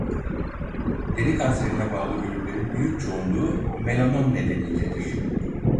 Deri kanserine bağlı ölümlerin büyük çoğunluğu melanom nedeniyledir.